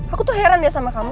aku tuh heran ya sama kamu